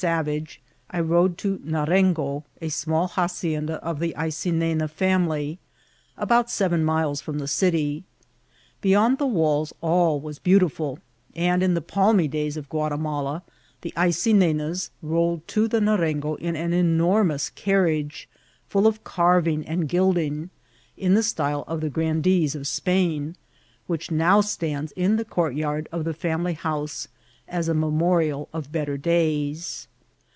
Savage, I rode to Narengo, a small hacienda of the Aydnena fiBusiily, about aeren miles from the city. Beyond the walls all was beautiful, and in the palmy days of Guatimala the Aycinenas rolled to the Narengo in an enormous car riage, full of earring and gilding, in the style of the grandees of Spain, which now stands in the courtyard of the fSEunily house as a memorial of better days.